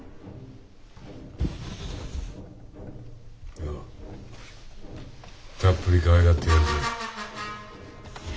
ようたっぷりかわいがってやるぜ。